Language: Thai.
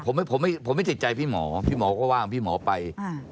ผมไม่ติดใจพี่หมอพี่หมอก็ว่าพี่หมอไป